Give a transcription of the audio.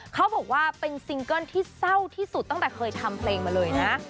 เขาบอกว่าเป็นซิงเกิ้ลที่เศร้าที่สุดตั้งแต่เคยทำเพลงมาเลยนะ